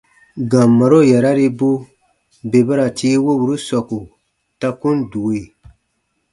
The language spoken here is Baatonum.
Gambaro yararibu bè ba ra tii woburu sɔku ta kun due.